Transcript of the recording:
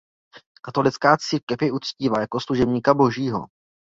Katolická církev jej uctívá jako Služebníka Božího.